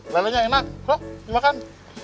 lele nya enak sok makan